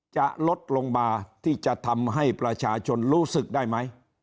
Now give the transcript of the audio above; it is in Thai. จะลดลงมาที่จะทำให้ประชาชนรู้สึกได้ไหม